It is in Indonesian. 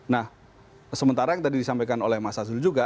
nah sementara yang tadi disampaikan oleh mas azul juga